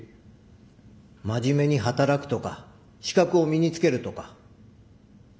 真面目に働くとか資格を身につけるとか。